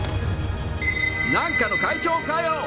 なんかの会長かよ！